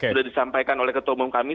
sudah disampaikan oleh ketua umum kami